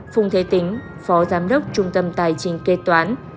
phung thế tính phó giám đốc trung tâm tài trình kế toán